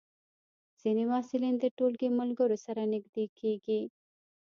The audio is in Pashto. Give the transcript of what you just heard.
ځینې محصلین د ټولګي ملګرو سره نږدې کېږي.